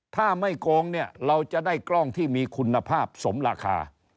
ถ้าไม่โกงเนี่ยเราจะได้กล้องที่มีคุณภาพสมราคา